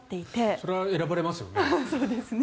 それは選ばれますよね。